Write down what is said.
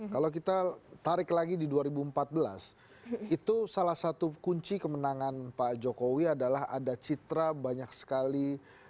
kalau kita tarik lagi di dua ribu empat belas itu salah satu kunci kemenangan pak jokowi adalah ada citra banyak sekali